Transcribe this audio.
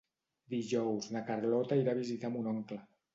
Dijous na Carlota irà a visitar mon oncle.